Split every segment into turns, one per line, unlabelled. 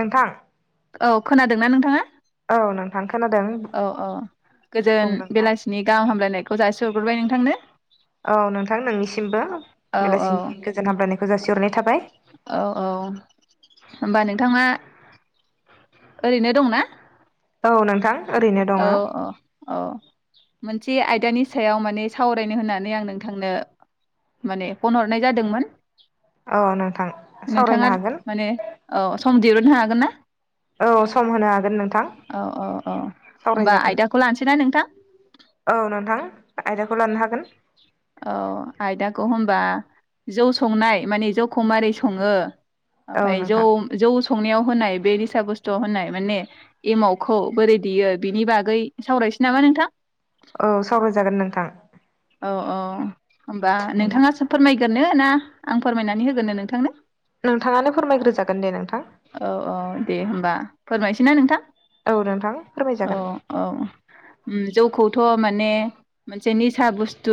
नोंथां।
औ खोनादोंना नोंथाङा?
औ नोंथां। खोनादों
औ औ
बुं
गोजोन
नोंथां
बेलासिनि गाहाम हामलायनाय। खौ जासिहरग्रोबाय नोंथांनो।
औ नोंथां नोंनिसिमबो
औ औ
बेलासिनि गोजोन हामलायखौ जासिहरनाय थाबाय।
औ औ होमबा नोंथाङा ओरैनो दंना?
औ नोंथां। ओरैनो दङ
औ औ औ मोनसे आयदानि सायाव माने सावरायनो होननानै आं नोंथांनो माने फन हरनाय जादोंमोन।
औ नोंथां सावरायनो
नोंथाङा
हागोन
माने औ सम। दिरुननो हागोन ना?
औ सम होनो हागोन नोंथां।
औ औ औ होमबा आयदाखौ लानोसैना नोंथां
औ नोंथां आयदाखौ लानो हागोन। ह
औ आयदाखौ होनबा जौ संनाय माने जौखौ मारै सङो
औ
ओमफफ्राय जौ
नोंथां
जौ संनायाव' होनाय बे निसा बुस्थु होनाय माने एमावखौ बोरै देयो बिनि बागै सावरायसै नामा नोंथां।
औ सावराय जागोन नोंथां।
औ औ होमबा नोंथाङासो फोरमायो होगनो ना आं फोरमायनानै होगोननो नोंथांनो।
नोंथाङानो फोरमायग्रोजागोन दे नोंथां
औ औ दे होमबा फोरमायसै ना नोंथां
औ नोंथां
औ
फोरमायजागोन
औ जौखौ माने मोनसे सिाहा बुस्थु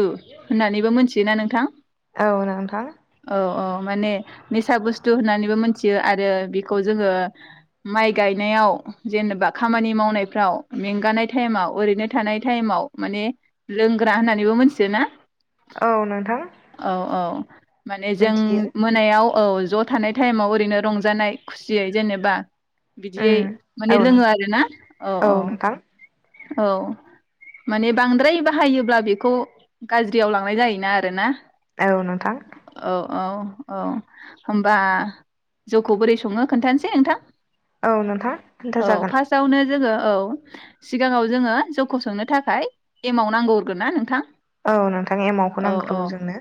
होननानैबो मिथियोना नोंथां
औ नोंथां
औ औ माने निसा बुुसथु होननानैबो मोनथियो आरो बेखौ जोङो माइ गनायाव जेनेबा खामानि मावनायफ्राव मेंगानाय टाइमाव ओैनो थानाय टाइमाव लों होग्रा होननानैबो मिथियोना
औ नोंथां
औ औ माने जों
मिथियो
मोनायाव औ ज थानाय टाइमाव ओरैनो रंजानाय खुसियै जेनेबा बिदियै
उम
माने
औ
लोङो
नोंथां
आरो ना औ औ औ माने बांद्राय बाहायो अब्ला बेखौ गाज्रियाव लांनाय जायोना आरो ना
औ नोंथां
औ औ होनबा जौखौ बोरै सङो खोन्थानोसै नोंथां
औ नोंथां
औ
खोन्थाजागोन
फार्स्टआवनो जोङो औ सिगाङाव जोङो जौखौ सोंनो थाखाय एमाव नांगौ गोनना नोंथां
औ नोंथां एमावखौ
औ औ
नांग्रोगौ जोंनो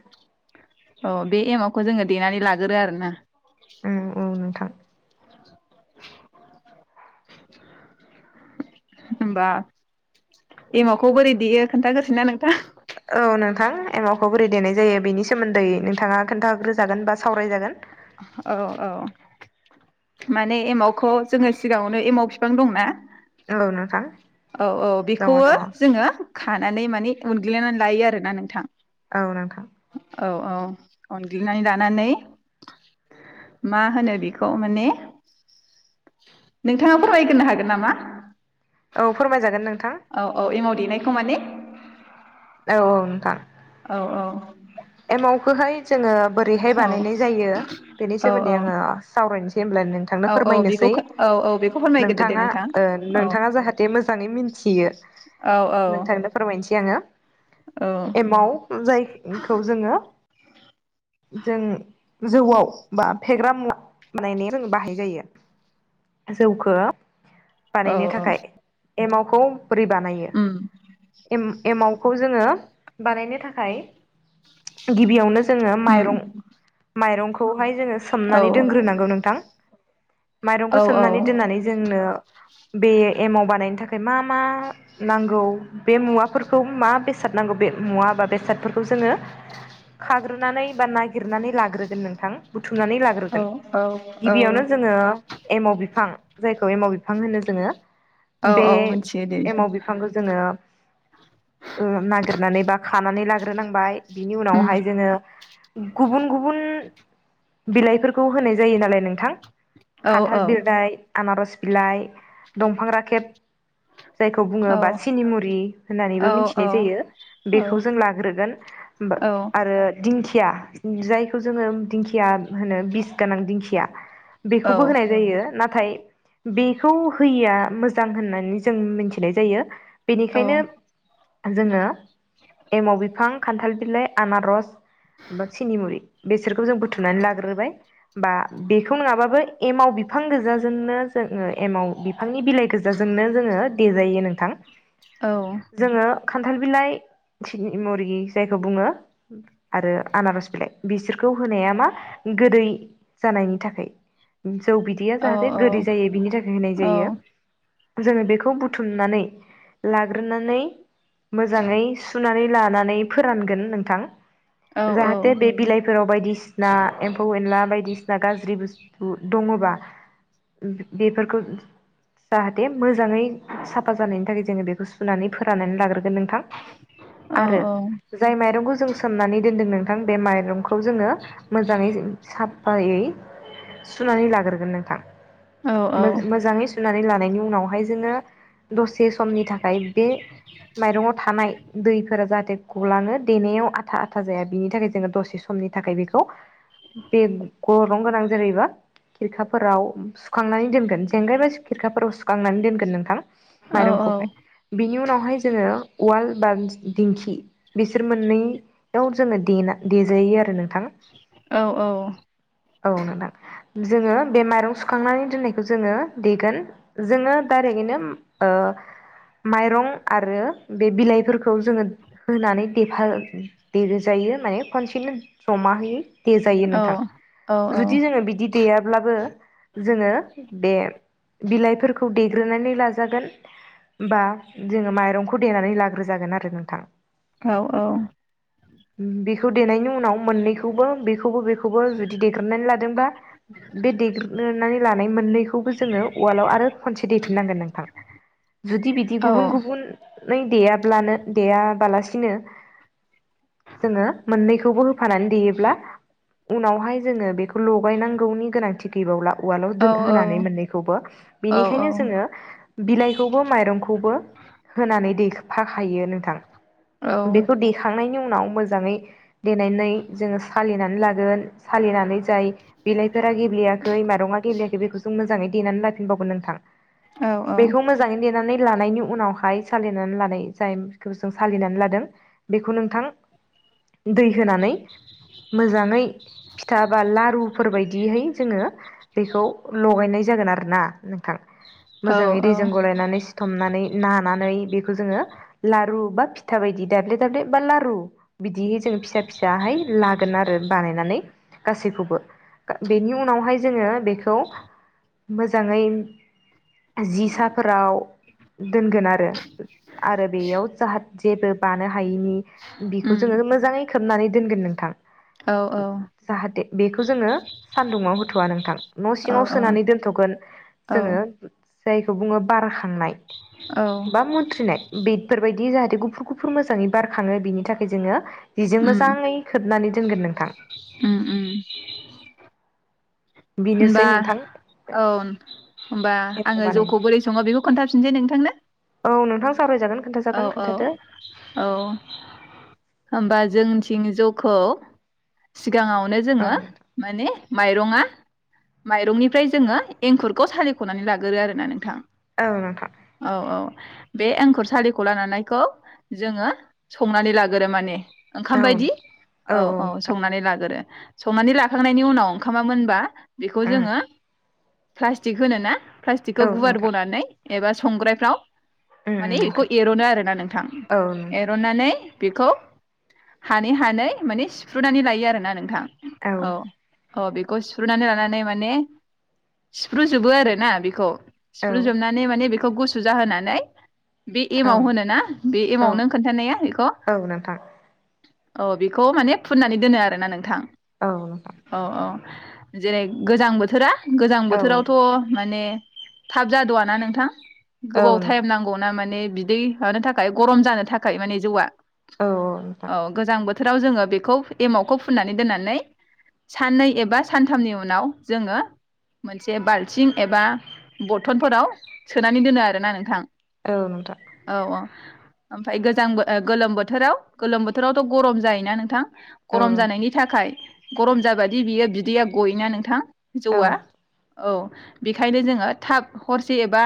औ बे एमावखौ जोङो देनानै लागोरो आरो ना
औ औ नोंथां
होनबा एमावखौ बोरै देयो खोनथागसो ना नोंथां
औ नोंथां एमावखौ बोरै देनाय जायो बेनि सोमोन्दै नोंथाङा खोन्थाग्रोजागोन बा सावरायजागोन
औ औ माने एमावखौ जोङो सिगाङावनो एमाव बिफां दंना
औ नोंथां
औ औ
दङ
बेखौबो
दङ
जोङो खानानै माने उनग्लिनानै लायो आरोना नोंथां
औ नोंथां
औ औ अनग्लिनानै लानानै मा होनो बेखौ माने नोंथाङा फोरमायग्रोनो हागोन नामा
औ फोरमायजागोन नों
औ औ एमाव देनायखौ माने
औ औ नोंथां
औ औ
एमावखोहाय जोङो बोरैहाय
औ
बानायनाय जायो बेनि
औ
सोमोन्दै
औ
आङो सावरायनोसै होमब्ला नोंथांनो
औ औ बेखौ
फोरमायनोसै
खो औ औ बेखौ फोरमायग्रोदो दे
नोंथाङा
नोंथां
ओ
औ
नोंथाङा जाहाथे मोजाङै मिनथियो
औ
नोंथांनो फोरमायनोसै आङो
औ
एमाव जाय हेलौ जों जौआव बा फेग्रा मुवा माने जों बाहाय जायो जौखो
औ
बानायनो थाखाय एमावखौ बोरै बानायो?
उम
एम- एमाव खौ जोङो बानायनो थाखाय गिबियावनो जोङो।
उम
माइरं माइरंख हाय जोङो
औ
सोमनानै दोनग्रोनांगौ नोंथां माइरंखौ
औ औ
सोमनानै दोननानै जोंनो। बे एमाव बानायनो थाखाय मा-मा? नांगौ बे मुवाफोरखौ मा बेसाद नांगौ बे मुवा बा बेसादफोरखौ जोङो खाग्रोनानै। बा नागिरनानै लाग्रोगोन नोंथां। बुथुमनानै
औ
लाग्रोगोन
औ
गिबियावनो जोङो एमाव बिफां जायखौ। खौ एमाव बिफां होनो जोङो।
औ
बे
औ मोनथियो दे बेखौ
एमाव बिफांखौ जोङो ओ-नागिरनानै बा खानानै लाग ग्रोनांबाय। बिनि
उम
उनावहाय जोङो। गुबुन गुबुन बिलाइफोरखौ होनाय जायो नालाय नोंथां।
औ
खान्थाल बिरदाय, आनारस बिलाइ, दंफां राखेब जायखौ
औ
बुङोबा सिनिमुरि
औ
होननानैबो
औ
मिथिनाय जायो
औ
बेखौ जों लाग्रोगोन बा
औ
आरो दिंखि या ओम जायखौ जोङो दिंखिया होनो बिस गोनां दिंखिया।
औ
बेखौबो होनाय जायो। नाथाय, बेखौ होयाआ मोजां होननानै जों मिथिनाय जायो। बेनिखायनो जोङो एमाव बिफां, खान्थाल बिलाइ, आनारस बा सिनिमुरि बेसोरखौ जों बुथुमनानै लाग्रोबाय बा बेखौ नङाबाबो एमाव बिफां गोजाजोंनो जोङो एमाव। फांनि बिलाइ गोजाजोंनो जोङो, देजायो नोंथां। जोङो खान्थाल बिलाइ, थिनि मुरि जायखौ बुङो आरो आनारस बिलाइ बिसोरखौ होनाया मा गोदै जानायनि थाखै। जौ बिदैया जाहाथे गोदै जायो बिनि थाखाय होनाय जायो जोङो बेखौ बुथ थुमनानै लाग्रोनानै मोजाङै सुनानै लानानै फोरानगोन नोंथां। जाहाथे बे बिलाइफोराव बायदिसिना एम्फौ एनला बायदिसिना गाज्रि बुस। उ-दङबा बे बेफोरखौ जाहाथे मोजाङै साफा जानायनि थाखाय जोङो बेखौ सुनानै फोराननानै लाग्रो। गोन नोंथां आरो जाय माइरंखौ जों सोमनानै। दोनदों नोंथां बे माइ रंखौ जोङो मोजाङै साब फायै सुनानै लाग्रोगोन नोंथां। मो-मोजाङै‌। सुनानै लानायनि उनावहाय जोङो। दसे समनि थाखाय बे माइरंआव थानाय दैफोरा जाहाथे। गलाङो देनायाव आथा-आथ। था जाया बिनि थाखाय जोङो दसे समनि थाखाय बेखौ बे गरं गोनां जेरैबा खेरखाफोराव सुखांनानै दोनगोन जेंगाय बा खेरखाफोराव सुखांनानै दोनगोन नोंथां। माइरंखौहाय बिनि उनावहाय जोङो। उवाल बा दिंखि बिसोर मोननै खौ जोङो देना-देजायो आरो नो।
औ औ
औ नोंथां जोङो बे माइरं सुखांनानै दोननायखौ जोङो देगोन जोङो डाइरेकयैनो ओ माइरं आरो बे बिलाइफोरखौ जोङो होनानै देफा। देरोजायो माने खनसेनो जमा होयो। देजायो नोंथां जुदि जोङो बिदि देयाब्लाबो जोङो बे। बिलाइफोरखौ देग्रोनानै लाजागोन बा जोङो माइरंखौ देनानै लाग्रोजागोन आरो नोंथां।
औ औ
बेखौ देनायनि उनाव मोननैखौबो बेखौबो बेखौ। खौबो जुदि देग्रोनानै लादोंबा बे देग्रोनानै लानाय मोननैखौबो जोङो उवालाव आरो खनसे दैेफिननांगोन नोंथां जुदि बिदि गुबुन गुबुन। नै देयाब्लानो देयाबालासिनो। जोङो मोननैखौबो होफानानै देयोब्ला। उनावहाय जोङो बेखौ लगायनांगौनि गोनांथि गैबावला। उवालाव दोन-होनानै मोननैखौबो बिनिखायनो जोङो बिलाइखौबो माइरंखौबो होनानै दै। फाखायो नोंथां
औ औ
बेखौ देखांनायनि उनाव मोजाङै देनानै जोङो सालिना। लागोन सालिनानै जाय। बिलाइफोरा गेब्लेयाखै माइरङा गेब्लेयाखै बेखौ जों मोजाङै। देनानै लाफिनबावगोन नोंथां।
औ
बेखौ मोजाङै देनानै लानायनि उनावहाय सालिनानै लानाय जायखौ जों सालिनानै लादों बेखौ नोंथां दै होनानै मोजाङै फिथा बा लारुफोर बदिहै जोङो बेखौ लगायनाय जागोन आरो ना नोंथां।
औ
मोजाङै
औ
दैजों गलायनानै सिथमनानै नानानै बेखौ जोङो लारु बा फिथा बायदि दाब्ले दाब्ले बा लारु बिदि जोङो फिसा फिसाहाय लागोन आरो बानायनानै। गासैखौबो बेनि उनावहाय जोङो बेखौ मोजाङै। जिसाफोराव दोनगोन आरो आरो बेयाव जाह जेबो बानो हायिनि बिखौ
उम
जोंङो मोजाङै। सोबनानै दोनगोन नोंथां।
औ
जाहाथे बेखौ जोङो सानदुङाव होथ'वा नोंथां न'
औ
सिङाव सोनानै दोनथ'गोन
औ
जोंङो। जायखौ बुङो बारा बा मुथ्रिनाय बेफोरबायायदि। गुफुर गुफुर मोजाङै बारखाङो बेनि थाखाय जोङो। जिजों
उम
मोजाङै खोबनानै दोनगोन नोंथां
उम उम
बेनोसै
होनबा
नोंथां
औ होनोमबा
एमाव
आङो जौखौ
बानायनाय
बोरै सङो बेखौ खोन्थाफिनसै नोंथांनो
औ नोंथां सावरायजागोन
औ
खोन्थाजागोन
औ
खोन्थादो
औ जोंथिंनि जौखौ सिगाङावनो जोङो माने माइरङा माइरंनिफ्राय जोङो एंखुरखौ सालिख'नानै लागोरो आरोना नोंथां।
औ नोंथां।
औ बे एंखुर सलिखौ लानानैखौ जोङो। संनानै लागोरो माने ओंखाम
औ
बायदि
नोंथां
औ औ संनानै लागोरो संनानै लाखांनायनि उनाव ओंखामा मोनबा। बेखौ
औ
जोङो। प्लास्टिक होनो ना। प्लास्टिकखौ
औ
गुवार
नोंथां
बनानै। एबा संग्राफ्राव।
उम
माने बेखौ एर'नो आरोना नोंथां
औ नोंथां उम
एरननानै। बेखौ। हानै हानै माने सिफ्रुनानै लायो आरोना नोंथां। औ। अ बेखौ सिफ्रुनानै लानानै माने सिफ्रुजोबो आरोना बेखौ। सिफ्रुजोबनानै माने बे खौ गुसु जाहोनानै बे एमाव
उम
होनो ना बे एमाव नों खोन्थानाया बेखौ।
नोंथां
औ बेखौ माने फुननानै दोनो आरोना नोंथां।
औ नोंथां।
औ औ जेरै गोजां बोथोरा गोजां
औ नोंथां औ नोंथां औ
बोथोरावथ' माने थाब जाद'आ ना नोंथां। गोबाव
नोंथां।
टाइम नांगौना माने बिदै होनो थाखाय गरम जानो थाखाय माने जौआ।
औ नोंथां
औ गोजांबो थोराव जोङो बेखौ एमावखौ फुननानै दोननानै साननै एबा सानथामनि उनाव जोङो मोनसे बाल्थिं एबा बथलफोराव सोनानै दोनो आरोना नोंथां।
औ नोंथां।
आमफाय गोजांबो ओ गोलोम बोथोराव गोलोम बोथोरावथ' गरम जायोना नोंथां।
औ
गरम
नोंथां
जानायनि थाखाय गरम जाबादि बियो बिदैया गयोना नोंथां।
औ
जौवा। औ बेखायनो जोङो थाब हरसे एबा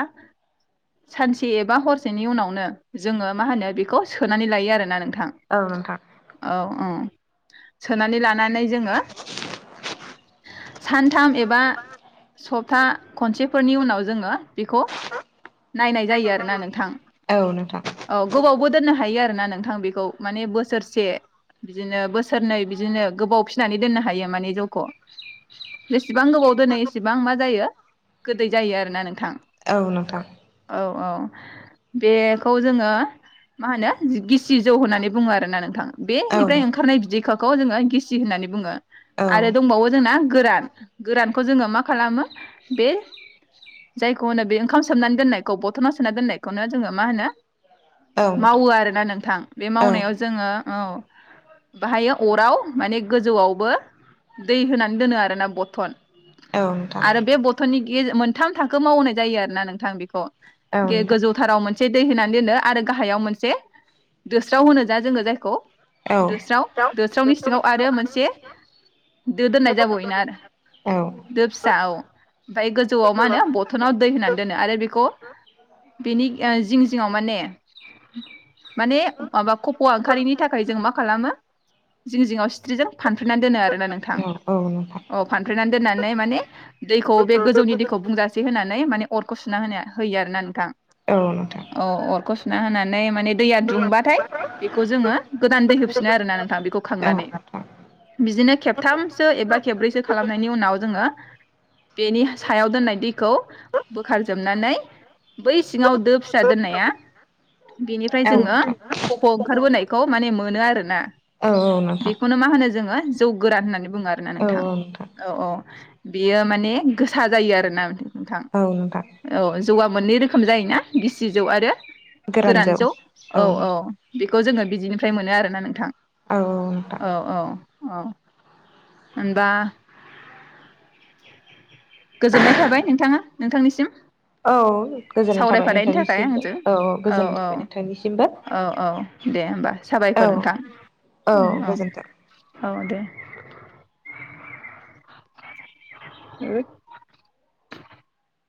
सानसे एबा हरसेनि उनावनो जोङो मा होनो बेखौ सोनानै लायो आरोना नोंथां।
औ नोंथां
औ ओ। सोनानै ला नानै जोङो सानथाम एबा सबथा खनसेफोरनि उनाव जोंङो बेखौ नायनाय जायो आरोना नोंथां
औ नोंथां
औ गोबावबो दोननो हायो आरोना नोंथां बे खौ। माने बोसोरसे बिदिनो बोसोरनै बिदिनो गोबाव फिसिनानै दोननो हायो माने जौखौ जेसेबां गोबाव दोनो एसेबां मा जायो गोदै जायो आरोना नोंथां।
औ नोंथां।
औ औ बेखौ जोङो मा होनो गिसि जौ होननानै बुङो आरोना नोंथां। बे
औ
निफ्राय ओंखारनाय बिदैखो खौ जोङो गिसि होननानै बुङो।
औ
आरो दंबावो जोंना गोरान गोरानखौ जोङो मा खालामो बे जायखौ होनो बे ओंखाम सोमनानै दोननायखौ बथनाव सोननानै दोननायखौनो जोङो मा होनो
औ
मावो
नोंथां
आरोना नोंथां बे मावनायाव
औ
जोङो औ बाहायो अराव माने गोजौआवबो दै होनानै दोनो आरोना बथन
नोंथां
आरो बे बथ'ननि गे मोन थाम थाखो मावनाय जायो आरोना नोंथां बेखौ गे गोजौथाराव मोन से दै होनानै दोनो आरो गाहायाव मोनसे दोस्राव होनो जा जोङो जायखौ
औ
दोस्राव दोस्रावनि सिङाव आरो मोनसे दो दोननाय जाबावयोना आरो
औ
दो फि दा औ ओमफाय गोजौआव मा होनो बथनाव दै होनानै दोनो आरो बेखौ बेनि जिं जिङाव माने माने माबा खप'आ ओंखारारिनि थाखाय जों मा खालामो जिं जिङआव सिथ्रिजों फानफ्रेनानै दोनो आरोना नोंथां
औ नोंथां
अ फानफ्रेनानै दोननानै माने दैखौ बे गोजौनि दैखौ बुंजासे होनानै माने अरखौ सुना होनो होयो आरोना नोंथां
औ नोंथां औ नोंथां औ
औ अरखौ सुना होनानै माने दैया दुंबा बेखौ जोङो गोदान दै होफिनो आरो ना नोंथां बेखौ खांनानै बिदिनो खेबथामसो एबा खेबब्रैसो खालामनायनि उनाव जोङो बेनि सायाव दोननाय दैखौ बोखार जोबनानै बै सिङाव दो फिसा दोननाया बेनिफ्राय जोङो खफ' ओंखारबोनायखौ माने मोनो आरोना बेखौनो मा होनो जोङो जौ गोरान होननानै बुङो आरोना नोंथां औ औ बेयो माने गोसा जायो आरो ना नोंथां
औ नोंथां
औ जौआ मोननै रोखोम जायोना गिसि जौ आरो गोरान जौ औ औ बेखौ जोङो बिजिनिफ्राय मोनो आरोना नोंथां
औ नोंथां
औ औ अ होमबा [inaudible] गोजोननाय थाबाय नोंथाङा नोंथांनिसिम
औ गोजोननाय थाबाय
सावरायफानायनि थाखाय
नोंथांनिसिमबो
आंजों औ
गोजोननाय
औ
थाबाय नोंथांनिसिमबो
औ औ दे होमबा
औ
साबायखर नोंथां ओम औ औ दे [unintelligible]